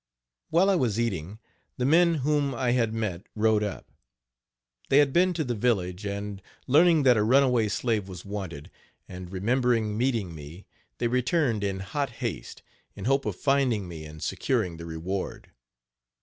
While I was eating, the men whom I had met rode up. They had been to the village, and, learning that a runaway slave was wanted, and remembering meeting me, they returned in hot haste, in hope of finding me and securing the reward.